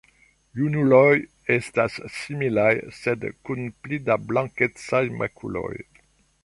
Junuloj estas similaj sed kun pli da blankecaj makuloj.